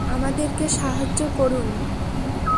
আমাদেরকে সাহায্য করুন।